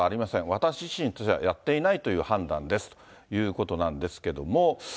私自身としてはやっていないという判断ですということなんですけども。